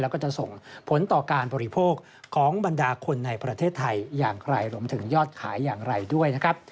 แล้วก็จะส่งผลต่อการบริโภคของบรรดาคนในประเทศไทยอย่างไรรวมถึงยอดขายอย่างไรด้วยนะครับ